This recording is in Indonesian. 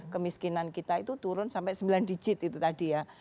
kemiskinan kita itu turun sampai sembilan digit itu tadi ya